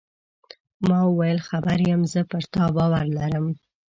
ما وویل: خبر یم، زه پر تا باور لرم.